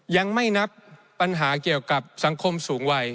ยังไม่นับปัญหาเกี่ยวกับสังคมสูงวัย